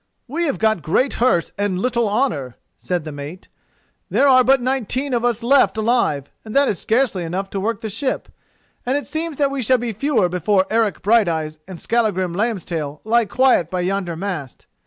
"We have got great hurt, and little honour," said the mate. "There are but nineteen of us left alive, and that is scarcely enough to work the ship, and it seems that we shall be fewer before Eric Brighteyes and Skallagrim Lambstail lie quiet by yonder mast.